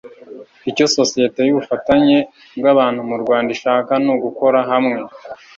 icy ososiyete y ubufatanye bw abantu mu rwanda ishaka nugukora hamwe